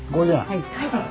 はい。